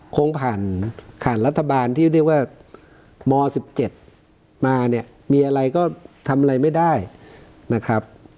คงผ่านรัฐบาลที่เรียกว่าม๑๗มาเนี่ยมีอะไรก็ทำอะไรไม่ได้นะครับ